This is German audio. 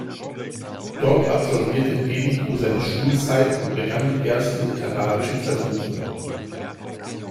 Dort absolvierte Pellico seine Schulzeit und begann mit ersten literarischen Versuchen.